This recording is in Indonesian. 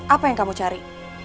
apa yang kamu cari